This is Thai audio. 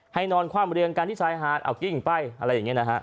ให้นอนความบริเวณการที่ใช้อาหารเอากิ้งไปอะไรอย่างนี้นะฮะ